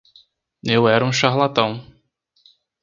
Eu era um charlatão...